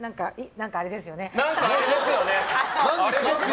何かあれですよね！